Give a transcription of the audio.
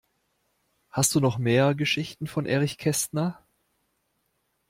Hast du noch mehr Geschichten von Erich Kästner?